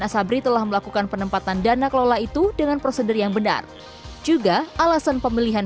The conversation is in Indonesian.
asabri telah melakukan penempatan dana kelola itu dengan prosedur yang benar juga alasan pemilihan